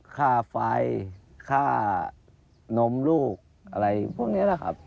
ค่าไฟค่านมลูกอะไรพวกนี้แหละครับ